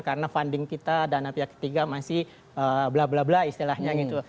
karena funding kita dana pihak ketiga masih bla bla bla istilahnya gitu